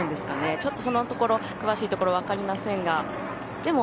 ちょっとそのところ詳しいところわかりませんが。